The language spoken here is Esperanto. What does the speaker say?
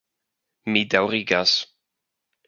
Mi daŭrigas.